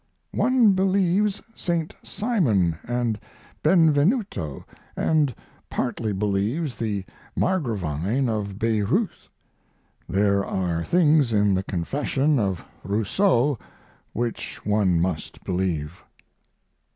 One believes St. Simon and Benvenuto and partly believes the Margravine of Bayreuth. There are things in the confession of Rousseau which one must believe.